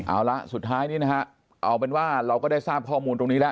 เอาละสุดท้ายนี้นะฮะเอาเป็นว่าเราก็ได้ทราบข้อมูลตรงนี้แล้ว